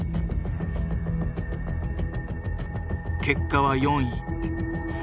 結果は４位。